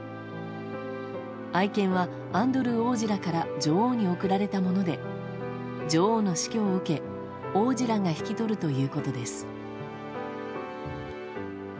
愛犬はアンドルー王子らから女王に贈られたもので女王の死去を受け王子らが引き取るということです。